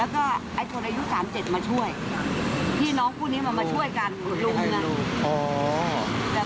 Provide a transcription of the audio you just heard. แล้วก็ไอ้คนอายุสามเจ็ดมาช่วยพี่น้องคู่นี้มันมาช่วยกันลุงน่ะ